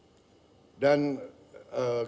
dan kita adakan perangai